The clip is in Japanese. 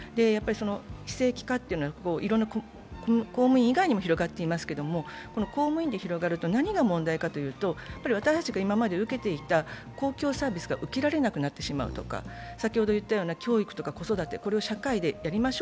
非正規化はいろいろな公務員で広がっていますけれども、公務員以外で広がると何が問題かというと、私たちが今まで受けていた公共サービスが受けられなくなってしまうとか、教育とか子育てを社会で担いましょう